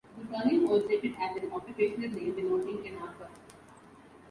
The surname originated as an occupational name denoting an archer.